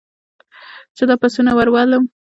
چې دا پسونه ور ولم.